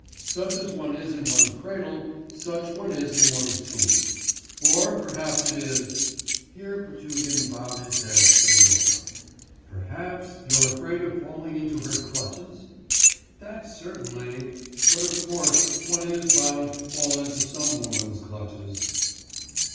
Such as one is in one's cradle, such one is still in one's tomb. Or perhaps it is' (here Potugin bowed his head still lower) 'perhaps, you're afraid of falling into her clutches? that's certainly ... But of course one is bound to fall into some woman's clutches.